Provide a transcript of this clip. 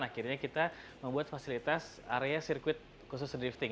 akhirnya kita membuat fasilitas area sirkuit khusus drifting